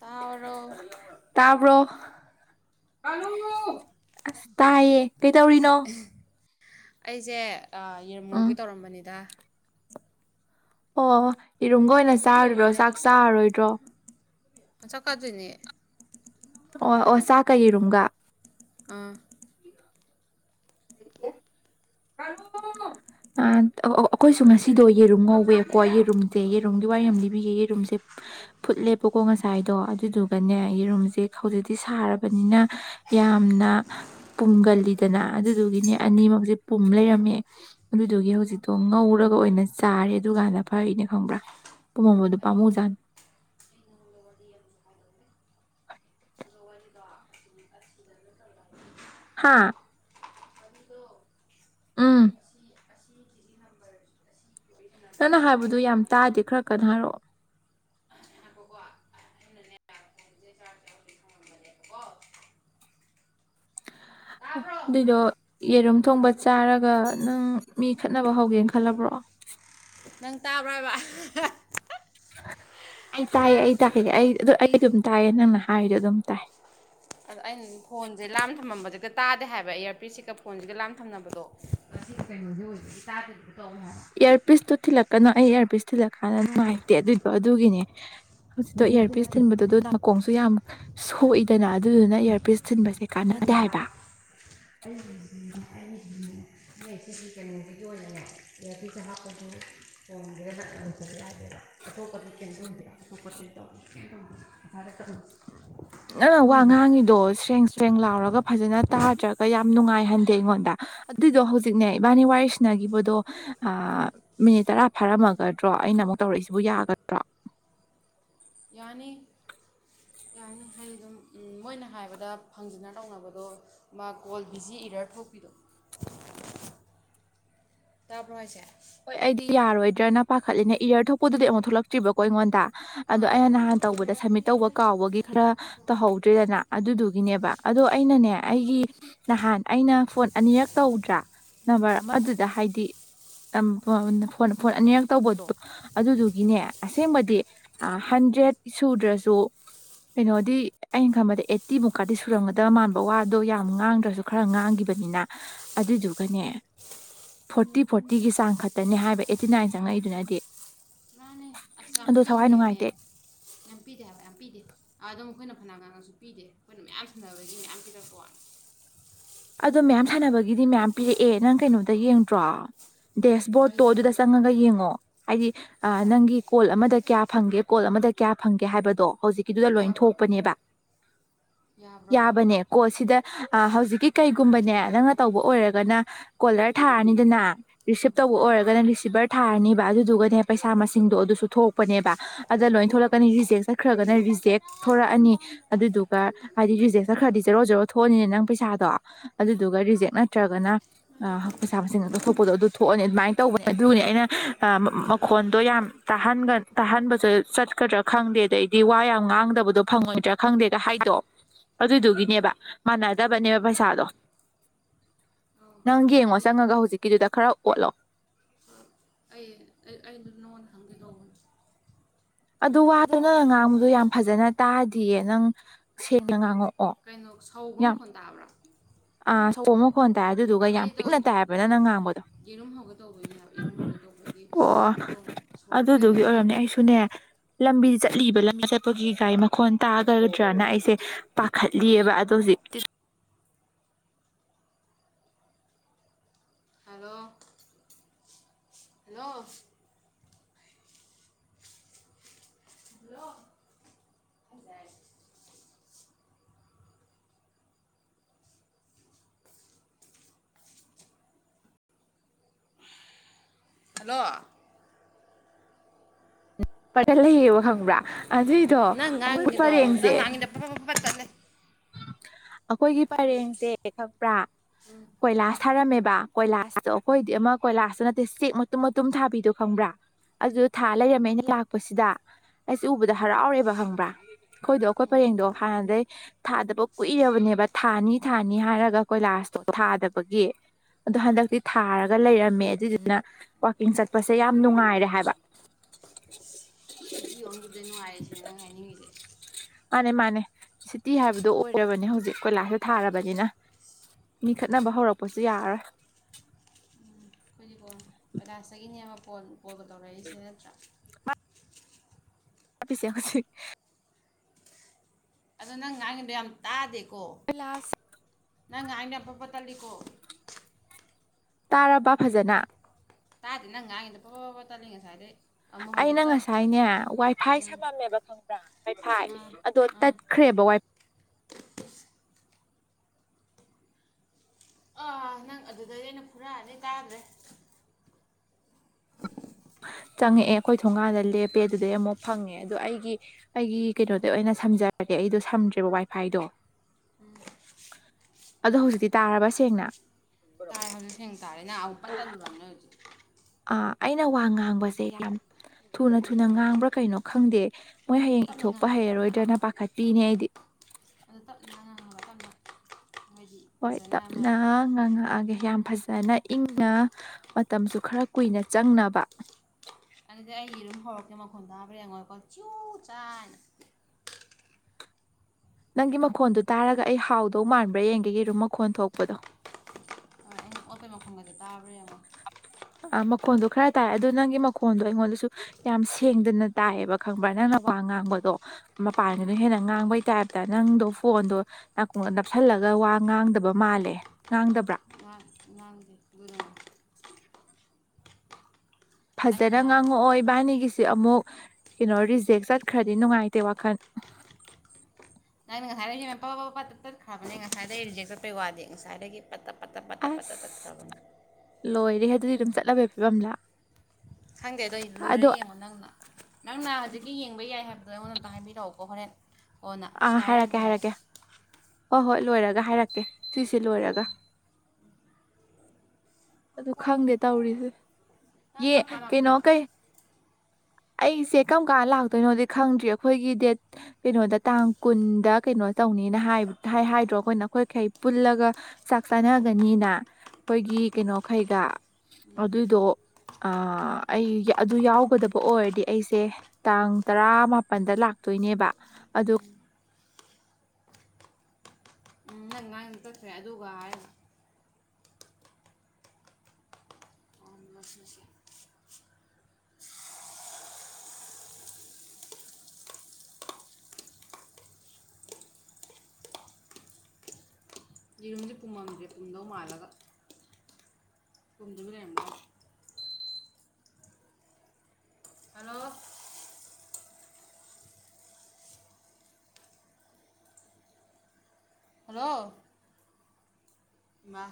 ꯇꯣ ꯑ ꯇꯥꯏꯌꯦ ꯀꯩꯇꯧꯔꯤꯅꯣ ꯑꯩꯁꯦ ꯌꯦꯔꯂꯣꯡꯒꯤ ꯇꯧꯔꯝꯕꯅꯤꯗ ꯑꯣ ꯏꯔꯨꯝꯒ ꯑꯣꯏꯅ ꯆꯥꯔꯨꯗ꯭ꯔꯣ ꯆꯥꯛ ꯆꯥꯔꯔꯣꯏꯗ꯭ꯔꯣ ꯑ ꯆ ꯀꯥꯗꯅꯦ ꯑꯣ ꯑꯣ ꯆꯥꯛꯀꯩ ꯌꯦꯔꯨꯝꯒ ꯑꯥ ꯎꯝ ꯎ ꯑꯩꯈꯣꯏꯁꯨ ꯉꯁꯤꯗꯣ ꯌꯦꯔꯨꯝ ꯉꯋꯦꯕꯀꯣ ꯌꯦꯔꯨꯝꯁꯦ ꯌꯦꯔꯨꯝꯒꯤ ꯋꯥꯔꯤ ꯌꯥꯝ ꯂꯤꯕꯤꯌꯦꯦ ꯌꯦꯔꯨꯝꯁꯦ ꯐꯨꯠꯂꯦꯕꯀꯣ ꯉꯁꯥꯏꯗꯣ ꯑꯗꯨꯗꯨꯒꯅꯦ ꯌꯦꯔꯨꯝꯁꯦ ꯍꯧꯖꯤꯛꯇꯤ ꯁꯥꯔꯕꯅꯤꯅ ꯌꯥꯝꯅ ꯄꯨꯝꯒꯜꯂꯤꯗꯅ ꯑꯗꯨꯗꯨꯒꯤꯅꯦ ꯑꯅꯤꯃꯛꯁꯦ ꯄꯨꯝ ꯂꯩꯔꯝꯃꯦ ꯑꯗꯨꯗꯨꯒꯤ ꯍꯧꯖꯤꯛꯇꯣ ꯉꯧꯔꯒ ꯑꯣꯏꯅ ꯆꯥꯔꯦ ꯑꯗꯨꯀꯥꯟꯗ ꯐꯩꯅꯦ ꯈꯪꯕ꯭ꯔꯥ ꯄꯨꯝꯝꯕꯗꯣ ꯄꯥꯝꯃꯨꯖꯥꯠꯅꯤ ꯍꯥꯥ ꯑꯝ ꯅꯪꯅ ꯍꯥꯏꯕꯗꯨ ꯌꯥꯝ ꯇꯥꯗꯦ ꯈꯔ ꯀꯟꯅ ꯍꯥꯏꯔꯛꯑꯣ ꯇꯥꯕ꯭ꯔꯣ ꯑꯗꯨꯏꯗꯣ ꯌꯦꯔꯨꯝ ꯊꯣꯡꯕ ꯆꯥꯔꯒ ꯅꯪ ꯃꯤ ꯈꯠꯅꯕ ꯍꯧꯒꯦꯅ ꯈꯜꯂꯕ꯭ꯔꯣ ꯅꯪ ꯇꯥꯕ꯭ꯔꯥ ꯍꯥꯏꯕ ꯑꯩ ꯇꯥꯏꯌꯦ ꯑꯩ ꯇꯥꯛꯀꯦ ꯑꯩ ꯑꯩ ꯑꯗꯨꯝ ꯇꯥꯏꯌꯦ ꯅꯪꯅ ꯍꯥꯏꯔꯤꯗꯣ ꯑꯗꯨꯝ ꯇꯥꯏ ꯑꯗ ꯑꯩꯅ ꯐꯣꯟꯁꯦ ꯂꯥꯝ ꯊꯝꯃꯝꯕꯕꯁꯤꯒ ꯇꯥꯗꯦ ꯍꯥꯏꯕ ꯏꯌꯥꯔꯄꯤꯤꯁꯁꯤꯒ ꯐꯣꯟꯁꯤꯒ ꯂꯥꯝ ꯊꯝꯅꯕꯗꯣ ꯍꯥꯏꯕ ꯏꯌꯥꯔꯄꯤꯁꯇꯣ ꯊꯤꯜꯂꯛꯀꯅ ꯑꯩ ꯏꯌꯥꯔꯄꯤꯁ ꯊꯤꯜꯂꯛꯀꯥꯟꯗ ꯅꯨꯡꯉꯥꯏꯇꯦ ꯑꯗꯨꯏꯗꯣ ꯑꯗꯨꯒꯤꯅꯦ ꯍꯧꯖꯤꯛꯇꯣ ꯅꯠꯇꯦ ꯏꯌꯥꯔ ꯄꯤꯁ ꯅꯠꯇꯦ ꯊꯤꯟꯕꯗ ꯑꯗꯨ ꯃꯈꯀꯣꯡꯁꯨ ꯌꯥꯝ ꯁꯣꯛꯏꯗꯅ ꯑꯗꯨꯗꯨꯅ ꯏꯌꯥꯔꯄꯤꯤꯁ ꯃꯠꯇꯂ ꯅꯣꯏ ꯁꯤꯒꯤ ꯀꯩꯅꯣꯁꯤꯒꯤ ꯑꯣꯏꯅꯅꯦ ꯑꯦꯌꯥꯔꯐꯁꯦ ꯍꯥꯞꯄꯁꯨ ꯇꯣꯡꯗꯦ ꯑꯣꯏꯗꯕ ꯌꯥꯗꯦꯕ ꯑꯇꯣꯞꯄꯗꯤ ꯀꯩꯅꯣ ꯇꯣꯡꯗꯦꯣꯄ ꯈꯣꯠ ꯇꯔ ꯅꯪ ꯋꯥ ꯉꯥꯡꯉꯤꯗꯣ ꯁꯦꯡ ꯁꯦꯡ ꯂꯥꯎꯔꯒ ꯐꯖꯅ ꯇꯥꯗ꯭ꯔꯒ ꯌꯥꯝ ꯅꯨꯡꯉꯥꯏꯍꯟꯗꯦ ꯑꯩꯉꯣꯟꯗ ꯑꯗꯨꯏꯗꯣ ꯍꯧꯖꯤꯛꯅꯦ ꯏꯕꯥꯅꯤ ꯋꯥꯏꯁꯤꯅꯈꯤꯕꯗꯣ ꯃꯤꯅꯤꯠ ꯇꯔꯥ ꯐꯥꯔꯝꯃꯒꯗ꯭ꯔꯣ ꯑꯩꯅ ꯑꯃꯨꯛ ꯇꯧꯔꯛꯏꯁꯤꯕꯨ ꯌꯥꯒꯗ꯭ꯔꯣ ꯌꯥꯅꯤ ꯌꯥꯅꯤ ꯍꯥꯏꯗꯤ ꯑꯗꯨꯝ ꯃꯣꯏꯅ ꯍꯥꯏꯕꯗ ꯐꯪꯖꯅ ꯇꯧꯅꯕꯗꯣ ꯃꯥ ꯀꯣꯜ ꯕꯤꯖꯤ ꯏꯔ ꯊꯣꯛꯄꯤꯗꯣ ꯇꯥꯕ꯭ꯔꯣ ꯍꯥꯏꯁꯦ ꯍꯣꯏ ꯑꯩꯗꯤ ꯌꯥꯔꯣꯏꯗ꯭ꯔꯅ ꯄꯥꯈꯠꯂꯤꯅꯦ ꯏꯌꯥꯔ ꯊꯣꯛꯄꯗꯨꯗꯤ ꯑꯃꯨꯛ ꯊꯣꯛꯂꯛꯇ꯭ꯔꯤꯕꯀꯣ ꯑꯩꯉꯣꯟꯗ ꯑꯥ ꯑꯗ ꯑꯩꯅ ꯑ- ꯅꯍꯥꯟ ꯇꯧꯕꯗ ꯁꯝꯃꯤꯠ ꯇꯧꯕ ꯀꯥꯎꯕꯒꯤ ꯈꯔ ꯇꯧꯍꯧꯗ꯭ꯔꯔꯤꯗꯅ ꯑꯗꯨꯗꯨꯒꯤꯅꯦꯕ ꯑꯗꯣ ꯑꯩꯅꯅꯦ ꯑꯩꯒꯤ ꯅꯍꯥꯟ ꯑꯩꯅ ꯐꯣꯟ ꯑꯅꯤꯔꯛ ꯇꯧꯗ꯭ꯔꯥ ꯅꯝꯕꯔ ꯑꯃꯗꯨꯗ ꯍꯥꯏꯗꯤ ꯐꯣꯟ ꯑꯅꯤꯔꯛ ꯇꯧꯕꯗꯣ ꯑꯗꯨꯗꯨꯒꯤꯅꯦ ꯑꯁꯦꯡꯕꯗꯤ ꯍꯟꯗ꯭ꯔꯦꯠ ꯁꯨꯗ꯭ꯔꯁꯨ ꯀꯩꯅꯣꯗꯤ ꯑꯩꯅ ꯈꯟꯕꯗ ꯑꯩꯠꯇꯤ ꯃꯨꯛꯀꯗꯤ ꯁꯨꯔꯝꯒꯗꯕ ꯃꯥꯟꯕ ꯋꯥꯗꯣ ꯌꯥꯝ ꯉꯥꯡꯗ꯭ꯔꯁꯨ ꯈꯔ ꯉꯥꯡꯈꯤꯕꯅꯤꯅ ꯑꯗꯨꯗꯨꯒꯅꯦ ꯐꯣꯔꯇꯤ ꯐ ꯐ ꯇꯤꯒꯤ ꯆꯥꯡ ꯈꯛꯇꯅꯦ ꯍꯥꯏꯕ ꯑꯩꯠꯇꯤ ꯅꯥꯏꯟ ꯆꯪꯉꯛꯏꯗꯨꯅꯗꯤ ꯃꯥꯅꯦ ꯑꯁ ꯑꯗꯣ ꯊꯋꯥꯏ ꯅꯨꯡꯉꯥꯏꯇꯦ ꯄꯦ ꯍꯥꯏꯕ ꯌꯥꯝ ꯄꯤꯗꯦ ꯑꯗꯨꯝ ꯑꯩꯈꯣꯏꯅ ꯐꯅ ꯀꯅꯁꯨ ꯄꯤꯗꯦ ꯑꯩꯈꯣꯏꯅ ꯃꯌꯥꯝ ꯁꯝꯟꯅꯅꯕꯗꯒꯤ ꯃꯌꯥꯝ ꯄꯤꯔꯛꯄ ꯋꯥꯅꯤ ꯑꯗꯣ ꯃꯌꯥꯝ ꯁꯥꯟꯅꯕꯒꯤꯗꯤ ꯃꯌꯥꯝ ꯄꯤꯔꯛꯑꯦ ꯅꯪ ꯀꯩꯅꯣꯗ ꯌꯦꯡꯗ꯭ꯔꯣ ꯗꯦꯁꯕꯣꯔꯠꯇꯣ ꯑꯗꯨꯗ ꯀꯩꯗꯤ ꯆꯪꯉꯒ ꯌꯦꯡꯉꯣ ꯍꯥꯏꯗꯤ ꯀꯩꯗ ꯅꯪꯒꯤ ꯀꯣꯜ ꯑꯃꯗ ꯀꯌꯥ ꯐꯪꯒꯦ ꯀꯣꯜ ꯑꯃꯗ ꯀꯌꯥ ꯐꯪꯒꯦ ꯍꯥꯏꯕꯗꯣ ꯍꯧꯖꯤꯛ ꯗꯨꯗ ꯂꯣꯏ ꯌꯥꯕ꯭ꯔꯣ ꯊꯣꯛꯄꯅꯦꯕ ꯌꯥꯕ꯭ꯔꯣꯕ ꯌꯥꯕꯅꯦ ꯀꯣ ꯁꯤꯗ ꯑ ꯍꯧꯖꯤꯛ ꯀꯩꯒꯨꯝꯕꯅꯦ ꯅꯪꯅ ꯇꯧꯕ ꯑꯣꯏꯔꯒꯅ ꯀꯣꯂꯔ ꯊꯥꯔꯅꯤꯗꯅ ꯔꯤꯁꯤꯞ ꯇꯧꯕ ꯑꯣꯏꯔꯒꯅ ꯔꯤꯁꯤꯚꯔ ꯊꯥꯔꯅꯤꯕ ꯑꯗꯨꯗꯨꯒꯅꯦ ꯄꯩꯁꯥ ꯃꯁꯤꯡꯗꯣ ꯑꯗꯨꯁꯨ ꯊꯣꯛꯄꯅꯦꯕ ꯑꯗ ꯂꯣꯏ ꯊꯣꯛꯂꯛꯀꯅꯤ ꯔꯤꯖꯦꯛ ꯆꯠꯈ꯭ꯔꯒꯅ ꯔꯤꯖꯦꯛ ꯊꯂꯛꯑꯅꯤ ꯑꯗꯨꯗꯨꯒ ꯍꯥꯏꯗꯤ ꯔꯤꯖꯦꯛ ꯆꯠꯈ꯭ꯔꯗꯤ ꯖꯔꯣ ꯖꯔꯣ ꯊꯣꯛꯑꯅꯤꯅꯦ ꯅꯪ ꯄꯩꯁꯥꯗꯣ ꯑꯗꯨꯗꯨꯒ ꯔꯤꯖꯦꯛ ꯅꯠꯇ꯭ꯔꯒꯅ ꯄꯩꯁꯥ ꯃꯁꯤꯡ ꯂꯧꯊꯣꯛꯄꯗꯣ ꯑꯗꯨ ꯊꯣꯛꯑꯅꯤ ꯑꯗꯨꯃꯥꯏꯅ ꯇꯧꯕꯅꯦ ꯑꯗꯨꯅꯤ ꯑꯩꯅ ꯃꯈꯣꯟꯗꯣ ꯌꯥꯝ ꯇꯍꯟ ꯇꯥꯍꯟꯕꯁꯨ ꯆꯠꯀꯗ꯭ꯔꯥ ꯈꯪꯗꯦ ꯑꯗꯩꯗꯤ ꯋꯥ ꯌꯥꯝ ꯉꯥꯡꯗꯕꯗꯣ ꯐꯪꯉꯣꯏꯗ꯭ꯔꯥ ꯈꯪꯗꯦꯗ ꯍꯥꯏꯗꯣꯛꯑꯣ ꯑꯗꯨꯗꯨꯒꯤꯅꯦꯕ ꯃꯥꯟꯅꯗꯕꯅꯦꯕ ꯄꯩꯁꯥ ꯂ ꯑꯧ ꯅꯪ ꯌꯦꯡꯉꯣ ꯑꯗꯨꯗꯤ ꯆꯪꯉꯒ ꯍꯧꯖꯤꯛ ꯀꯗꯗ ꯈꯔ ꯋꯥꯂꯥꯎ ꯑꯩ ꯑꯩꯗ ꯅꯉꯅ ꯍꯪꯒꯦ ꯅꯣꯡꯧꯕꯅꯦ ꯑꯗꯨ ꯋꯥꯗꯨꯅ ꯉꯥꯡꯕꯗꯣ ꯌꯥꯝ ꯐꯖꯅ ꯇꯥꯗꯤꯌꯦ ꯅꯪ ꯁꯦꯡꯅ ꯉꯥꯡꯉꯛ ꯀꯩꯅꯣ ꯁꯧꯒꯅ ꯃꯈꯣꯟ ꯇꯥꯕ꯭ꯔꯥ ꯑꯥ [unintelligible] ꯐꯣꯟ ꯇꯥꯏ ꯑꯗꯨꯗꯨꯒ ꯌꯥꯝ ꯑꯩꯗꯣ ꯄꯤꯛꯅ ꯇꯥꯏꯑꯕꯅ ꯅꯪ ꯉꯥꯡꯕꯗꯣ ꯌꯦꯔꯨꯝ ꯍꯧꯒꯦ ꯇꯧꯕꯩꯅꯦ ꯍꯥꯏꯕ ꯌꯦꯔꯨꯝ ꯍꯧꯒꯦ ꯇꯧꯕꯒꯤ ꯑꯣ ꯁꯣꯝ ꯁꯣꯝꯗ ꯀꯩꯅꯣ ꯑꯗꯨꯗꯨꯒꯤ ꯇꯧ ꯑꯣꯏꯔꯝꯅꯦ ꯑꯩꯁꯨꯅꯦ ꯂꯝꯕꯤ ꯆꯠꯂꯤꯕ ꯂꯝꯕꯤ ꯆꯠꯄꯒꯤ ꯒꯥꯔꯤ ꯃꯈꯣꯟ ꯇꯥꯒꯗ꯭ꯔꯅ ꯑꯩꯁꯦ ꯄꯥꯈꯠꯂꯤꯑꯕ ꯑꯗꯣ ꯍꯧꯖꯤꯛꯇ ꯍꯂꯣ ꯅꯣ ꯍꯜꯂꯣ ꯄꯔꯂꯌꯦꯕ ꯈꯪꯕ꯭ꯔꯥ ꯑꯗꯨꯏꯗꯣ ꯅꯪ ꯑꯩꯈꯣꯏ ꯉꯥꯡꯉꯤꯗꯣ ꯅꯪ ꯄꯔꯦꯡꯁꯦ ꯉꯥꯡꯉꯤꯗ ꯄꯠ ꯄꯠ ꯄꯠ ꯇꯠꯂꯦ ꯑꯩꯈꯣꯏꯒꯤ ꯄꯔꯦꯡꯁꯦ ꯈꯪꯕ꯭ꯔꯥ ꯀꯣꯏꯂꯥꯁ ꯊꯔꯝꯃꯦꯕ ꯀꯣꯏꯂꯥꯁꯇꯣ ꯑꯩꯈꯣꯏꯗꯤ ꯑꯃ ꯀꯣꯏꯂꯥꯁꯇ ꯅꯠꯇꯦ ꯆꯦꯛ ꯃꯇꯨꯝ ꯃꯇꯨꯝ ꯊꯥꯕꯤꯗꯣ ꯈꯪꯕ꯭ꯔꯥ ꯑꯗꯨꯗ ꯊꯥ ꯂꯩꯔꯝꯃꯦ ꯑꯩꯅ ꯂꯥꯛꯄꯁꯤꯗ ꯑꯩꯁꯦ ꯎꯕꯗ ꯍꯔꯥꯎꯔꯦꯕ ꯈꯪꯕ꯭ꯔꯥ ꯑꯩꯈꯣꯏꯗꯣ ꯑꯩꯈꯣꯏ ꯄꯔꯦꯡꯗꯣ ꯍꯥꯟꯅꯗꯩ ꯊꯥꯗꯕ ꯀꯨꯏꯔꯕꯅꯦꯕ ꯊꯥꯅꯤ ꯊꯥꯅꯤ ꯍꯥꯏꯔꯒ ꯀꯣꯏꯂꯥꯁꯇꯣ ꯊꯥꯗꯕꯒꯤ ꯑꯗꯣ ꯍꯟꯗꯛꯇꯤ ꯊꯥꯔꯒ ꯂꯩꯔꯝꯃꯦ ꯑꯗꯨꯏꯗꯨꯅ ꯋꯥꯀꯤꯡ ꯆꯠꯄꯁꯦ ꯌꯥꯝ ꯅꯨꯡꯉꯥꯏꯔꯦ ꯍꯥꯏꯕ ꯖꯤ ꯑꯣꯟꯒꯤꯕꯗꯩ ꯅꯨꯡꯉꯥꯏꯔꯦꯁꯤꯅꯦ ꯅꯪ ꯍꯥꯏꯅꯤꯡꯉꯁꯦ ꯃꯥꯅꯦ ꯃꯥꯅꯦ ꯁꯤꯇꯤ ꯍꯥꯏꯕꯗꯣ ꯑꯣꯏ ꯔꯕꯅꯦ ꯍꯧꯖꯤꯛ ꯀꯣꯏꯂꯥꯁꯦ ꯊꯥꯔꯕꯅꯤꯅ ꯃꯤ ꯈꯠꯅꯕ ꯍꯧꯔꯛꯄꯁꯨ ꯌꯥꯔꯣꯏ ꯀꯣꯏꯂꯥꯁꯇꯒꯤꯅꯦ ꯑꯃ ꯀꯣꯜ ꯀꯣꯜꯒ ꯇꯧꯔꯛꯏꯁꯦ ꯅꯠꯇ꯭ꯔꯥ [unintelligible] ꯄꯤꯁꯦ ꯍꯧꯁꯤ ꯑꯗꯣ ꯅꯪ ꯉꯥꯡꯉꯗꯣ ꯌꯥꯝ ꯇꯥꯗꯦ ꯀ꯭ꯂꯥꯁ ꯅꯪ ꯉꯥꯡꯉꯤꯗꯣ ꯌꯥꯝ ꯄ-ꯄꯠ ꯇꯠꯂꯤ ꯀꯣ ꯇꯥꯔꯕ ꯐꯖꯅ ꯇꯥꯗꯤ ꯅꯪ ꯉꯥꯡꯉꯤꯗꯣ ꯄ-ꯄ-ꯄꯠ ꯇꯠꯂꯤ ꯉꯁꯥꯏꯗꯩꯩ ꯑꯩꯅ ꯉꯁꯥꯏꯅꯦ ꯋꯥꯏꯐꯥꯏ ꯎꯝ ꯁꯝꯃꯝꯃꯦꯕ ꯈꯪꯕ꯭ꯔꯥ ꯋꯥꯏ ꯐꯥꯏ ꯎꯝ ꯑꯗꯣ ꯎꯝ ꯇꯠꯈ꯭ꯔꯦꯕ ꯋꯥꯏ ꯑꯥ ꯅꯪ ꯑꯗꯨꯗꯩ ꯑꯩꯅ ꯐꯨꯔꯛꯑꯅꯤ ꯇꯥꯗ꯭ꯔꯦ ꯆꯪꯉꯛꯑꯦ ꯑꯩꯈꯣꯏ ꯊꯣꯡꯒꯥꯟꯗ ꯂꯦꯞꯄꯦ ꯑꯗꯨꯗꯩ ꯑꯃꯨꯛ ꯐꯪꯉꯦ ꯑꯗꯣ ꯑꯩꯒꯤ ꯑꯩꯒꯤ ꯀꯩꯅꯣꯗ ꯑꯣꯏꯅ ꯁꯝꯖꯔꯒꯦ ꯑꯩꯗꯣ ꯁꯝꯗ꯭ꯔꯦꯕ ꯋꯥꯏꯐꯥꯏꯗꯣ ꯑꯗꯣ ꯍꯧꯖꯤꯛꯇꯤ ꯇꯥꯔꯕ ꯁꯦꯡꯅ [unintelligible] ꯁꯦꯡ ꯇꯥꯔꯦ ꯅ ꯑꯃꯨꯛ ꯄꯠ ꯇꯜꯂꯨꯔꯕꯅꯦ ꯍꯧꯖꯤꯛ ꯑꯥ ꯑꯩꯅ ꯋꯥ ꯉꯥꯡꯕꯁꯦ ꯌꯥꯝ ꯊꯨꯅ ꯊꯨꯅ ꯉꯥꯡꯕ꯭ꯔꯥ ꯀꯩꯅꯣ ꯈꯪꯗꯦ ꯃꯣꯏ ꯍꯌꯦꯡ ꯇꯞꯅ ꯏꯊꯣꯛꯄ ꯉꯥꯡꯉꯨ ꯇꯞꯅ ꯍꯩꯔꯔꯣꯏꯗ꯭ꯔꯅ ꯑꯃ ꯄꯥꯈꯠꯄꯤꯅꯦ ꯑꯩꯗꯤ ꯑꯗꯨ ꯇꯞꯅ ꯉꯥꯡꯉꯒ ꯇꯞꯅ ꯅꯣꯏꯗꯤ ꯍꯣꯏ ꯐꯖꯅ ꯑꯃ ꯇꯞꯅ ꯉꯥꯡꯉꯛꯑꯒꯦ ꯌꯥꯝ ꯏꯪꯅ ꯐꯖꯅ ꯏꯪꯅ ꯃꯇꯝꯁꯨ ꯈꯔ ꯀꯨꯏꯅ ꯆꯪꯅꯕ ꯑꯗꯨꯗꯤ ꯑꯩ ꯂꯣꯏꯝ ꯍꯧꯔꯛꯀꯦ ꯃꯈꯣꯟ ꯇꯥꯕ꯭ꯔꯥ ꯌꯦꯡꯉꯣꯏꯀꯣ ꯆꯨ ꯆꯥꯅ ꯅꯪꯒꯤ ꯃꯈꯣꯟꯗꯨ ꯇꯥꯔꯒ ꯑꯩ ꯍꯥꯎꯗꯧ ꯃꯥꯟꯕ꯭ꯔꯥ ꯌꯦꯡꯒꯦ ꯌꯦꯔꯨꯝ ꯃꯈꯣꯟ ꯊꯣꯛꯄꯗꯣ ꯍꯣꯏ ꯑꯩꯅ ꯑꯣꯠꯄꯩ ꯃꯈꯣꯒꯗꯨ ꯇꯥꯕꯔ ꯌꯦꯡꯉꯣ ꯑꯥ ꯃꯈꯣꯟꯗꯣ ꯈꯔ ꯇꯥꯏ ꯑꯗꯨꯗꯣ ꯅꯪꯒꯤ ꯃꯈꯣꯟꯗꯣ ꯑꯩꯉꯣꯟꯗꯁꯨ ꯌꯥꯝ ꯁꯦꯡꯗꯅ ꯇꯥꯏꯌꯦꯕ ꯈꯪꯕ꯭ꯔꯥ ꯅꯪꯅ ꯋꯥ ꯉꯥꯡꯕꯗꯣ ꯃꯄꯥꯟꯒꯤꯅ ꯍꯦꯟꯅ ꯉꯥꯡꯕꯩ ꯇꯥꯏꯞꯇ ꯅꯪꯗꯣ ꯐꯣꯟꯗꯣ ꯅꯥꯀꯣꯡꯗ ꯅꯞꯁꯜꯂꯒ ꯋꯥ ꯉꯥꯡꯗꯕ ꯃꯥꯜꯂꯦ ꯉꯥꯡꯗꯕ꯭ꯔꯥ ꯉꯥꯡ ꯉꯥꯡꯗꯦ [unintelligible] ꯑꯩꯅ ꯐꯖꯅ ꯉꯥꯡꯉꯛꯑꯣ ꯏꯕꯥꯅꯤꯒꯤꯁ ꯁꯤ ꯑꯃꯨꯛ ꯀꯩꯅꯣ ꯔꯤꯖꯦꯛ ꯆꯠꯈ꯭ꯔꯗꯤ ꯅꯨꯡꯉꯥꯏꯇꯦ ꯋꯥꯈꯜ ꯅꯪꯅ ꯉꯁꯥꯏ ꯄ ꯇꯠꯈ꯭ꯔꯕꯅꯦ ꯉꯁꯥꯏꯗꯒꯤ ꯔꯤꯖꯦꯛ ꯆꯠꯄꯩ ꯋꯥꯗꯦ ꯉꯁꯥꯏꯗꯒꯤ ꯄꯠ ꯑꯁ ꯂꯣꯏ ꯑꯗꯨ ꯑꯗꯨꯗꯤ ꯑꯗꯨꯝ ꯆꯠꯂꯕꯩ ꯐꯤꯕꯝ ꯂꯥ ꯈꯪꯗꯦ ꯑꯗꯨ ꯑꯩ ꯂꯣꯏꯔ ꯌꯦꯡꯉꯣ ꯅꯪꯅ ꯍꯧꯖꯤꯛ ꯃꯤꯌꯦꯡꯕ ꯌꯥꯏ ꯍꯥꯏꯕꯗꯣ ꯑꯩꯉꯣꯟ ꯑꯝꯇ ꯍꯥꯏꯕꯤꯔꯛꯑꯣꯀꯣ ꯍꯣꯔꯦꯟ ꯑꯣꯅꯥ ꯑꯥ ꯁꯗꯥ ꯍꯥꯏꯔꯛꯀꯦ ꯍꯥꯏꯔꯛꯑꯅꯨ ꯌꯥꯔꯦ ꯍꯥꯏꯔꯛꯀꯦ ꯍꯣꯏ ꯍꯣꯏ ꯂꯣꯏꯔꯒ ꯍꯥꯏꯔꯛꯀꯦ ꯁꯤꯁꯦ ꯑꯣ ꯂꯣꯏꯔꯒ ꯑꯗꯨ ꯍꯣꯏ ꯈꯪꯗꯦ ꯇꯧꯔꯤꯁꯦ ꯅꯪ ꯌꯦ ꯀꯔꯝ ꯀꯥꯟ ꯀꯩꯩꯅꯣ ꯂꯥꯛꯇꯣꯏꯅꯣ ꯀꯩ ꯑꯩꯁꯦ ꯀꯔꯝ ꯀꯥꯟ ꯂꯥꯛꯇꯣꯏꯅꯣꯗꯤ ꯈꯪꯗ꯭ꯔꯤ ꯑꯩꯈꯣꯏꯒꯤ ꯗꯦꯠ ꯀꯩꯅꯣꯗ ꯇꯥꯡ ꯀꯨꯟꯗ ꯀꯩꯅꯣ ꯇꯧꯅꯤꯅ ꯍꯥꯏꯗ꯭ꯔꯣ ꯑꯩꯈꯣꯏꯅ ꯑꯩꯈꯣꯏꯈꯩ ꯄꯨꯜꯂꯒ ꯆꯥꯛ ꯆꯥꯅꯒꯅꯤꯅ ꯑꯩꯈꯣꯏꯒꯤ ꯀꯩꯅꯣ ꯈꯩꯒ ꯑꯗꯨꯏꯗꯣ ꯑꯩ ꯑꯗꯨ ꯌꯥꯎꯒꯗꯕ ꯑꯣꯏꯔꯗꯤ ꯑꯩꯁꯦ ꯇꯥꯡ ꯇꯔꯥꯃꯄꯜꯗ ꯂꯥꯛꯇꯣꯏꯅꯦꯕ ꯑꯗꯨ [unintelligible] ꯑꯗꯨꯒꯥ ꯍꯥꯌꯕꯥ ꯑꯣ ꯃꯁꯤ ꯃꯁꯤ ꯌꯦꯔꯨꯝꯁꯦ ꯄꯨꯨꯝꯃꯝꯗꯣ ꯃꯥꯂꯒ ꯄꯨꯝꯗꯕꯤ ꯂꯩꯔꯨꯝꯕꯔ꯭ꯤꯋꯥꯅꯤ ꯍꯜꯂꯣ ꯋꯥ